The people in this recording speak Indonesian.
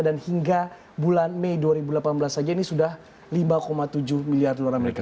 dan hingga bulan mei dua ribu delapan belas saja ini sudah lima tujuh miliar dolar amerika